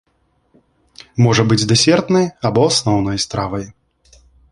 Можа быць дэсертнай або асноўнай стравай.